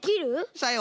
さよう。